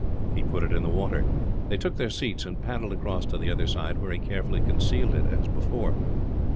He put it in the water. They took their seats, and paddled across to the other side; where he carefully concealed it, as before.